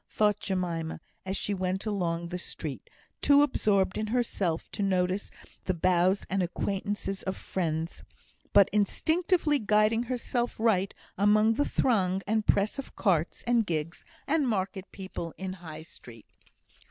thought Jemima, as she went along the street, too absorbed in herself to notice the bows of acquaintances and friends, but instinctively guiding herself right among the throng and press of carts, and gigs, and market people in High Street.